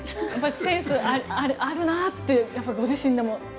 センスあるなってご自身でも？